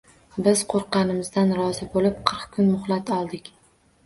Biz qo‘rqqanimizdan rozi bo‘lib qirq kun muhlat oldik